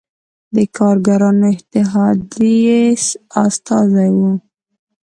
د کارګرانو اتحادیې استازی و.